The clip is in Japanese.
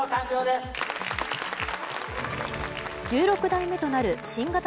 １６代目となる新型